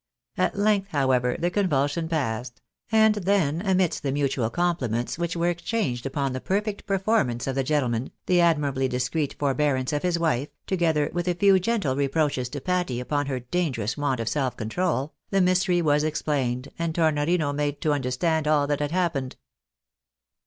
At length, how ever, the convulsion passed, and then amidst the mutual compliments which were exchanged upon the perfect performance of the gentle man, the admirably discreet forbearance of his wife, together with a few gentle reproaches to Patty upon her dangerous want of self control, the mystery was explained, and Tornorino made to under stand all that had happened.